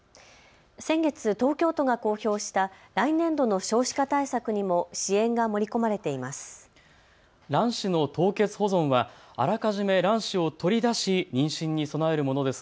先月、東京都が公表した来年度の少子化対策にも支援が盛り込まれています。